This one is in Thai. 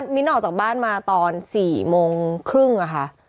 มิ้นออกจากบ้านมาตอน๔โมงครึ่งอะค่ะ